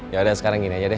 yaudah sekarang gini aja deh